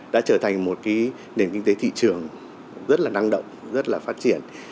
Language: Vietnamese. đã trở thành một nền kinh tế thị trường rất năng động rất phát triển